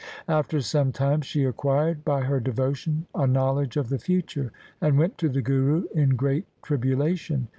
After some time she acquired by her devotion a knowledge of the future, and went to the Guru in great tribulation.